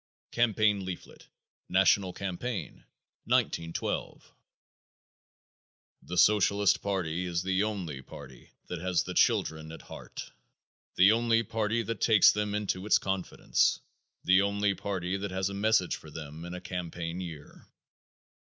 Campaign Leaflet, National Campaign, 1912. The Socialist party is the only party that has the children at heart; the only party that takes them into its confidence; the only party that has a message for them in a campaign year.